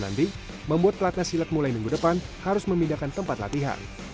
nanti membuat pelatnas silat mulai minggu depan harus memindahkan tempat latihan